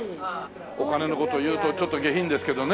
お金の事言うとちょっと下品ですけどね。